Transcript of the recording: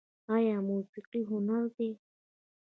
آیا موسیقي هنر دی؟